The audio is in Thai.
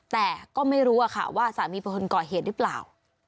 แต่ก็ไม่รู้อะค่ะว่าสามีผู้คนก็เห็นรึเปล่า